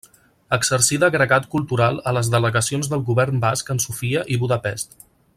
Exercí d'agregat cultural a les Delegacions del Govern Basc en Sofia i Budapest.